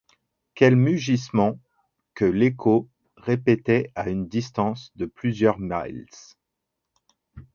Quels mugissements que l’écho répétait à une distance de plusieurs milles !